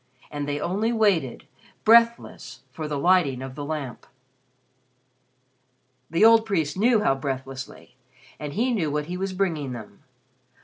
And they only waited, breathless, for the Lighting of the Lamp. The old priest knew how breathlessly, and he knew what he was bringing them.